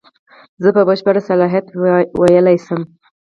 زه په بشپړ صلاحیت ویلای شم.